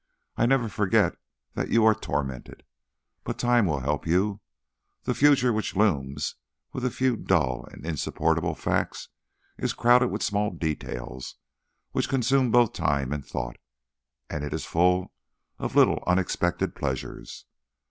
I never forget that you are tormented. But Time will help you. The future which looms with a few dull and insupportable Facts is crowded with small details which consume both time and thought, and it is full of little unexpected pleasures.